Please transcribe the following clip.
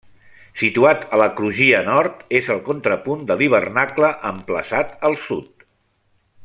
Situat a la crugia nord, és el contrapunt de l'hivernacle, emplaçat al sud.